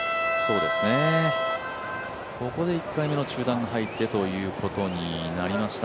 ここで１回目の中断が入ってということになりました。